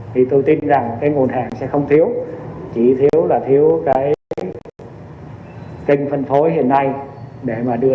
thì tôi tin rằng nguồn hàng sẽ không thiếu chỉ thiếu là thiếu kinh phân phối hiện nay để đưa hàng hóa về cho người dân